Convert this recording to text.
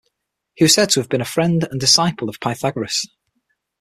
He was said to have been a friend and disciple of Pythagoras.